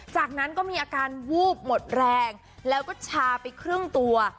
จากนั้นก็มีอาการวูบหมดแรงแล้วก็ชาไปครึ่งตัว